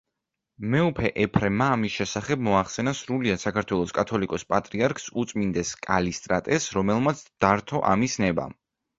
მეუფე ეფრემმა ამის შესახებ მოახსენა სრულიად საქართველოს კათოლიკოს-პატრიარქს უწმიდეს კალისტრატეს, რომელმაც დართო ამის ნება.